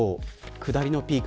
下りのピーク